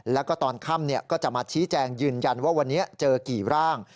แล้วก็ตอนค่ำก็จะมาชี้แจงยืนยันว่าวันนี้เจอกี่ร่าง